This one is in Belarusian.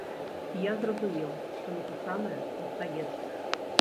І я зразумеў, што напісанае застаецца.